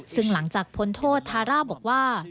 ซึ่งหลังจากพ้นโทษทาร่าบอกว่า